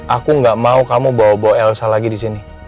aku gak mau kamu bawa bawa elsa lagi di sini